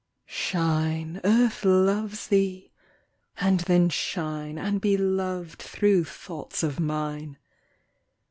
Shine, Earth loves thee! And then shine And be loved through thoughts of mine.